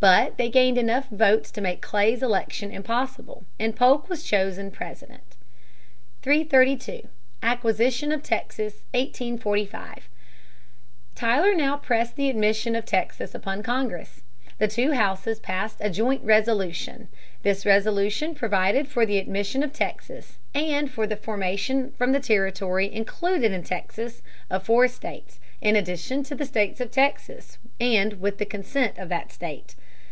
But they gained enough votes to make Clay's election impossible and Polk was chosen President. [Sidenote: Texas admitted by joint resolution, 1845. McMaster, 325.] 332. Acquisition of Texas, 1845. Tyler now pressed the admission of Texas upon Congress. The two houses passed a joint resolution. This resolution provided for the admission of Texas, and for the formation from the territory included in Texas of four states, in addition to the state of Texas, and with the consent of that state.